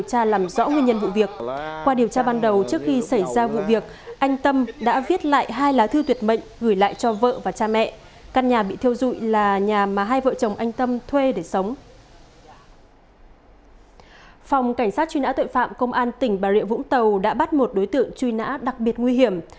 cảnh sát truy nã tội phạm công an tỉnh bà rịa vũng tàu đã bắt một đối tượng truy nã đặc biệt nguy hiểm